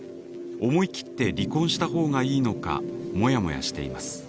思い切って離婚したほうがいいのかモヤモヤしています。